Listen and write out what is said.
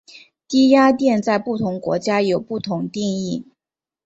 低压电在不同国家有不同定义。